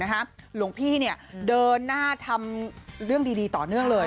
หลวงพี่เดินหน้าทำเรื่องดีต่อเนื่องเลย